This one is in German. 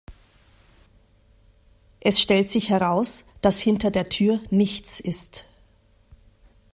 Es stellt sich heraus, dass hinter der Tür „nichts“ ist.